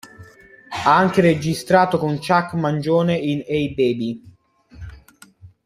Ha anche registrato con Chuck Mangione in "Hey Baby!